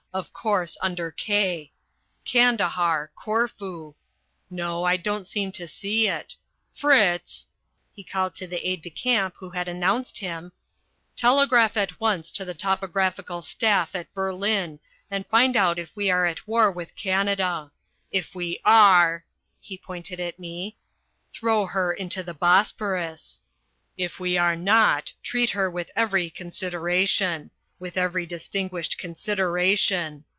of course, under K Kandahar, Korfu. No, I don't seem to see it Fritz," he called to the aide de camp who had announced him, "telegraph at once to the Topographical Staff at Berlin and find out if we are at war with Canada. If we are" he pointed at me "throw her into the Bosphorus. If we are not, treat her with every consideration, with every distinguished consideration.